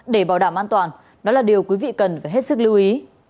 để bảo đảm an toàn đó là điều quý vị cần phải hết sức lưu ý